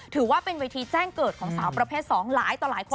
ถือว่าเป็นเวทีแจ้งเกิดของสาวประเภท๒หลายต่อหลายคน